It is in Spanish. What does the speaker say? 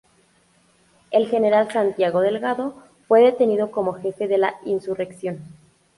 El General Santiago Delgado fue detenido como Jefe de la insurrección.